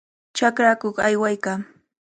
Chakrakuq aywaykaa.